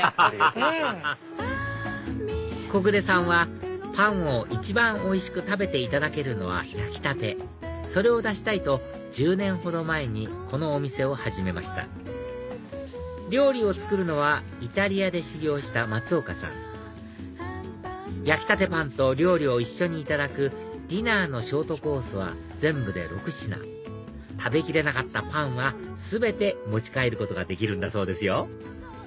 小暮さんは「パンを一番おいしく食べていただけるのは焼きたて」「それを出したい」と１０年ほど前にこのお店を始めました料理を作るのはイタリアで修業した松岡さん焼きたてパンと料理を一緒にいただくディナーのショートコースは全部で６品食べ切れなかったパンは全て持ち帰ることができるんだそうですよ